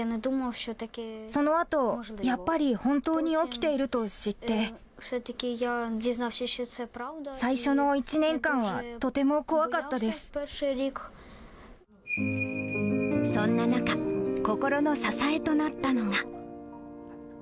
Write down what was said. そのあと、やっぱり本当に起きていると知って、最初の１年間はとても怖かっそんな中、心の支えとなったのが。